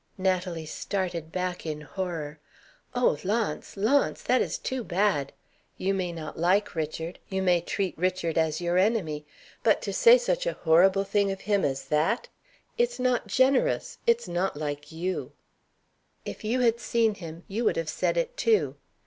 Natalie started back in horror. "Oh, Launce! Launce! that is too bad. You may not like Richard you may treat Richard as your enemy. But to say such a horrible thing of him as that It's not generous. It's not like you." "If you had seen him, you would have said it too.